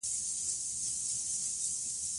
افغانستان کې ژبې د هنر په اثار کې منعکس کېږي.